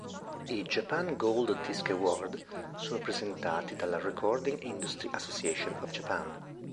I Japan Gold Disc Award sono presentati dalla Recording Industry Association of Japan.